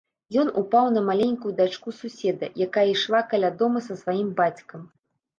Ён упаў на маленькую дачку суседа, якая ішла каля дома са сваім бацькам.